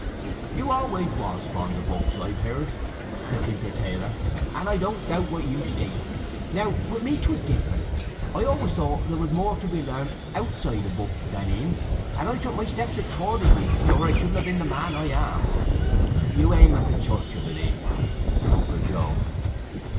"You always was fond o' books, I've heard," said Tinker Taylor, "and I don't doubt what you state. Now with me 'twas different. I always saw there was more to be learnt outside a book than in; and I took my steps accordingly, or I shouldn't have been the man I am." "You aim at the Church, I believe?" said Uncle Joe.